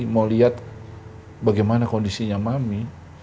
mau lihat bagaimana kondisinya mami